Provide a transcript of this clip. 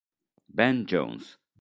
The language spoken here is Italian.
Ben Jones